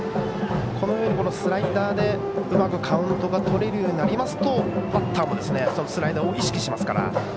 この上にスライダーでうまくカウントが取れるようになるとバッターもスライダーを意識しますから。